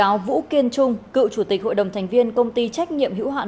nguyễn đức trung cựu chủ tịch hội đồng thành viên công ty trách nhiệm hữu hạn